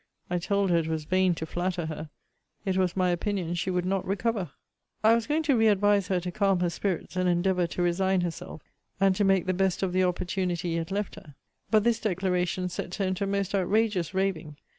I told her it was vain to flatter her: it was my opinion she would not recover. I was going to re advise her to calm her spirits, and endeavour to resign herself, and to make the beset of the opportunity yet left her; but this declaration set her into a most outrageous raving.